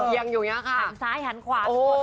ยังอยู่อย่างนี้ค่ะ